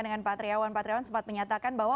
dengan pak triawan pak triawan sempat menyatakan bahwa